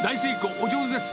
お上手です。